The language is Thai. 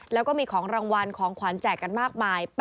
แล้วก็มีของรางวัลของขวัญแจกกันมากมาย